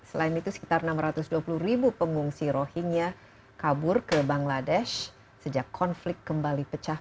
selain itu sekitar enam ratus dua puluh ribu pengungsi rohingya kabur ke bangladesh sejak konflik kembali pecah